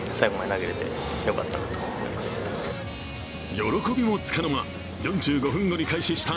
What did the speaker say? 喜びもつかの間、４５分後に開始した